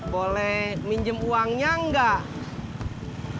boleh minjem uangnya enggak